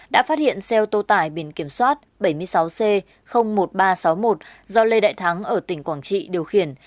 đã phát hiện xe ô tô tải biển kiểm soát bảy mươi sáu c một nghìn ba trăm sáu mươi một do lê đại thắng ở tỉnh quảng trị điều khiển